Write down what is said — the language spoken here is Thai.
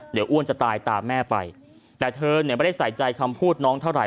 เดี๋ยวอ้วนจะตายตามแม่ไปแต่เธอเนี่ยไม่ได้ใส่ใจคำพูดน้องเท่าไห